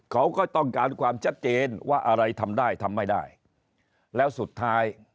เขาก็ต้องการความชัดเจนว่าอะไรทำได้ทำไม่ได้แล้วสุดท้าย